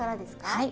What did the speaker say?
はい。